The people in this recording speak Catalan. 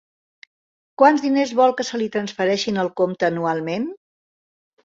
Quants diners vol que se li transfereixin al compte anualment?